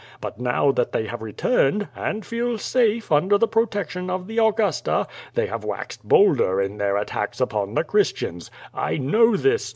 But now that they have returned, and feel safe under the protection of the Augusta, they have waxed bolder in their attacks upon the Christians. I know this!